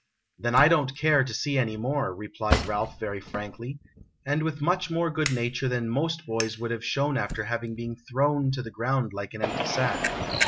"Then I don't care to see any more," replied Ralph very frankly, and with much more good nature than most boys would have shown after having been thrown to the ground like an empty sack.